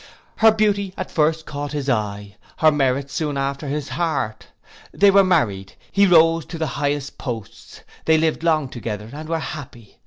Her beauty at first caught his eye, her merit soon after his heart. They were married; he rose to the highest posts; they lived long together, and were happy.